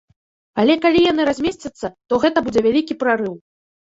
Але калі яны размесцяцца, то гэта будзе вялікі прарыў.